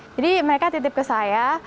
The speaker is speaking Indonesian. mereka titip ke saya